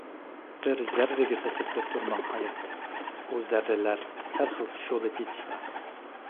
بىر زەررىگە تەسەددۇقتۇر مىڭ ھايات، ئۇ زەررىلەر سەرخىل شولا چېچىشتا ...